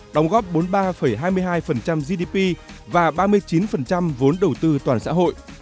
đóng góp bốn mươi ba hai mươi hai gdp và ba mươi chín vốn đầu tư toàn xã hội